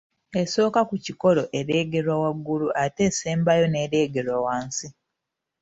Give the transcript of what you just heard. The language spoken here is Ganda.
Esooka ku kikolo ereegerwa waggulu ate esembayo n’ereegerwa wansi